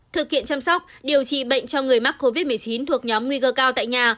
thực hiện chăm sóc điều trị bệnh cho người mắc covid một mươi chín thuộc nhóm nguy cơ cao tại nhà